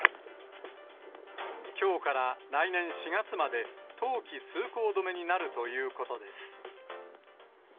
きょうから来年４月まで、冬期通行止めになるということです。